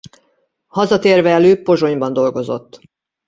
Hazatérve előbb Pozsonyban dolgozott.